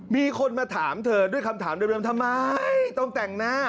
มีคนมาถามเธอด้วยคำถามเดิมทำไมต้องแต่งหน้า